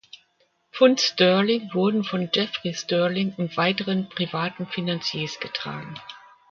Pfund Sterling wurden von Jeffrey Sterling und weiteren privaten Finanziers getragen.